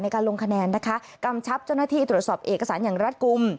การลงคะแนนนะคะกำชับเจ้าหน้าที่ตรวจสอบเอกสารอย่างรัฐกลุ่ม